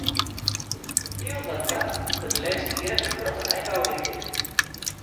Heel wat doarpen ha der de lêste jierren in protte nijbou by krige.